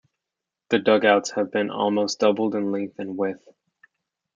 The dugouts have been almost doubled in length and width.